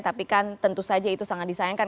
tapi kan tentu saja itu sangat disayangkan